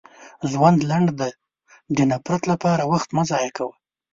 • ژوند لنډ دی، د نفرت لپاره وخت مه ضایع کوه.